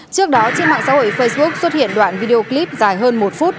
trước đó trên mạng xã hội facebook xuất hiện đoạn video clip dài hơn một phút